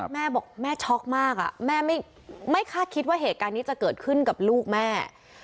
แม่บอกแม่ช็อกมากแม่ไม่คาดคิดว่าเหตุการณ์นี้จะเกิดขึ้นกับลูกแม่